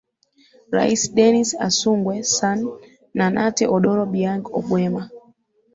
rais dennis asungwe sun na nate odoro biang ogwema